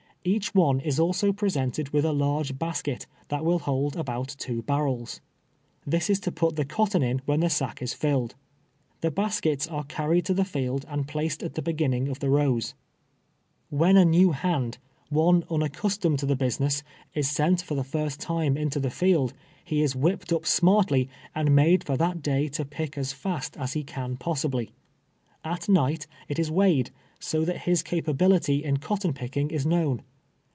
Each one is also presented with a large basket that will hold about two barrels. This is to put the cotton in when the sack is filled. The baskets are carried to the field and placed at the beginning of the rows. When a new hand, one unaccustomed to the busi ness, is sent for the first time into the field, he is whipped up smartly, and made for that day to pick as fast as he can possibly. At night it is weighed, so that his capability in cotton picking is known.